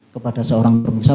kepada seorang pemeriksa